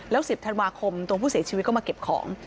แล้ว๑๐ธันวาคมตัวผู้เสียชีวิตก็มาเก็บของ